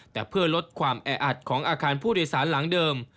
แต่เพื่อลดความแออัดของอาคารผู้โดยสารหลังเดิม